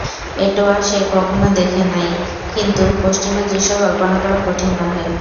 এটোয়া সে কখনো দেখে নাই–কিন্তু পশ্চিমের দৃশ্য কল্পনা করা কঠিন নহে।